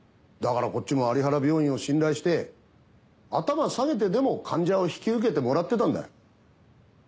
だからこっちも有原病院を信頼して頭下げてでも患者を引き受けてもらってたんだ。